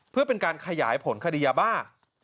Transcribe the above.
เพื่อเป็นการขยายผลคดียาบ้า